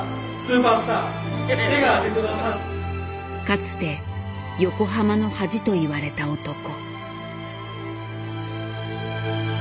かつて横浜の恥と言われた男。